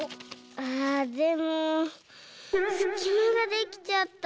あでもすきまができちゃった。